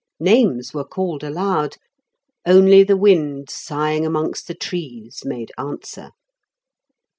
Names were called aloud; only the wind, sighing amongst the trees made answer.